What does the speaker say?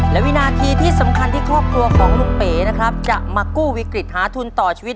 และวินาทีที่สำคัญที่ครอบครัวของลุงเป๋นะครับจะมากู้วิกฤตหาทุนต่อชีวิต